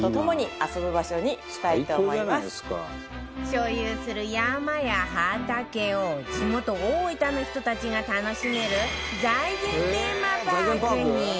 所有する山や畑を地元大分の人たちが楽しめる財前テーマパークに